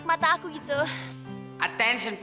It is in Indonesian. kenapa sih semuanya dikini